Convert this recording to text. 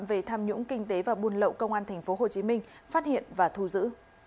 về tham nhũng kinh tế và buôn lậu công an tp hcm phát hiện và thu giữ